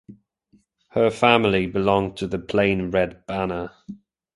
Her family belonged to the Plain Red Banner.